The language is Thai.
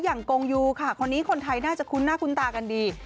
กงยูค่ะคนนี้คนไทยน่าจะคุ้นหน้าคุ้นตากันดี